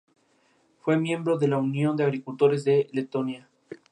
Muchos de los lugares de sus novelas son en España.